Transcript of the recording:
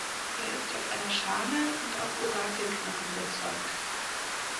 Er ist auf einer Schale und auf Orakelknochen bezeugt.